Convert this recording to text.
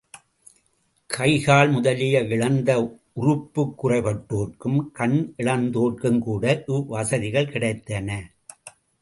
கைகால் முதலியன இழந்து உறுப்புக்குறை பட்டோர்க்கும், கண் இழந்தோர்க்கும்கூட இவ் வசதிகள் கிடைத்தன.